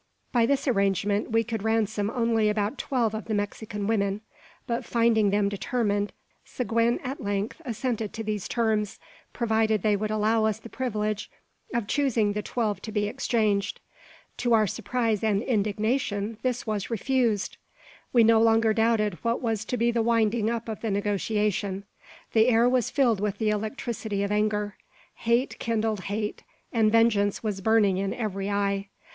By this arrangement, we could ransom only about twelve of the Mexican women; but finding them determined, Seguin at length assented to these terms, provided they would allow us the privilege of choosing the twelve to be exchanged. To our surprise and indignation this was refused! We no longer doubted what was to be the winding up of the negotiation. The air was filled with the electricity of anger. Hate kindled hate, and vengeance was burning in every eye.